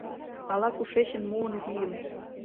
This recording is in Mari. Ала-кушечын муын вийым